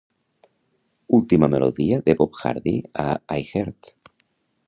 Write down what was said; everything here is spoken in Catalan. última melodia de Bob Hardy a iHeart